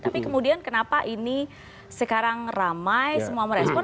tapi kemudian kenapa ini sekarang ramai semua merespon